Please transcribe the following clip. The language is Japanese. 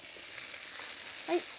はい。